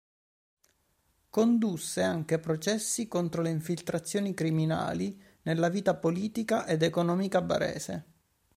Condusse anche processi contro le infiltrazioni criminali nella vita politica ed economica barese.